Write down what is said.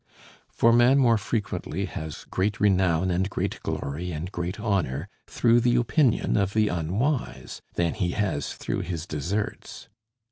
For man more frequently has great renown, and great glory, and great honor, through the opinion of the unwise, than he has through his deserts.